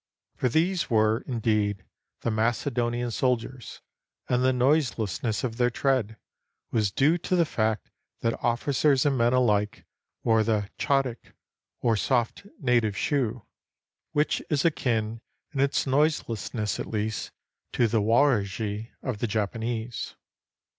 For these were, indeed, the Mace donian soldiers, and the noiselessness of their tread was due to the fact that officers and men ahke wore the charik or soft native shoe, which is akin, in its noiseless ness at least, to the waraji of the Japanese.